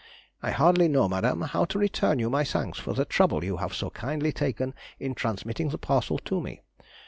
I hardly know, madame, how to return you my thanks for the trouble you have so kindly taken in transmitting the parcel to me.